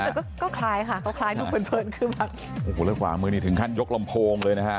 แต่ก็ก็คลายค่ะเขาคลายทุกคนเพิ่มขึ้นมาโอ้โหแล้วขวางมือนี่ถึงขั้นยกลำโพงเลยนะฮะ